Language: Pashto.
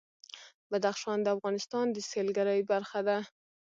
بدخشان د افغانستان د سیلګرۍ برخه ده.